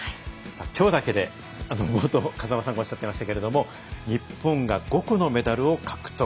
きょうだけで冒頭、風間さんがおっしゃっていましたけれども日本が５個のメダルを獲得。